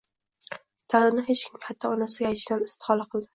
Dardini hech kimga, hatto onasiga aytishdan istihola qildi